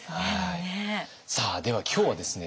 さあでは今日はですね